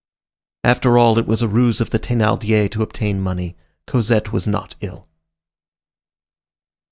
After all it was a ruse of the Thénardiers to obtain money. Cosette was not ill.